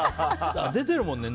出てるもんね